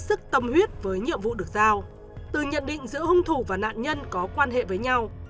sức tâm huyết với nhiệm vụ được giao từ nhận định giữa hung thủ và nạn nhân có quan hệ với nhau